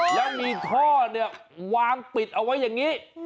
แล้วท่อวางปิดไว้อย่างนี้